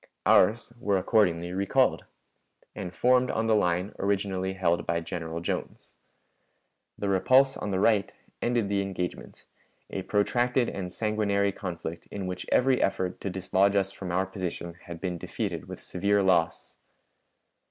Ours were accordingly recalled, and formed on the line originally held by General Jones. The repulse on the right ended the engagement, a protracted and sanguinary conflict in which every effort to dislodge us from our position had been defeated with severe loss.